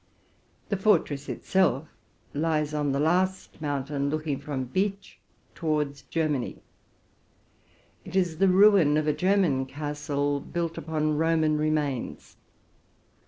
The fortress itself lies on the last mountain, looking RELATING TO MY LIFE. 35 from Bitsch towards Germany. It is the ruin of a German castle built upon Roman remains.